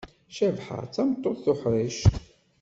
Cabḥa d tameṭṭut tuḥrict.